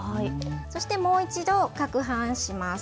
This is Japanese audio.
そして、もう１度かくはんします。